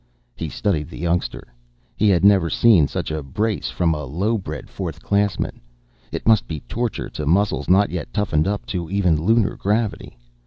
_ He studied the youngster. He had never seen such a brace from an Io bred fourth classman. It must be torture to muscles not yet toughened up to even Lunar gravity.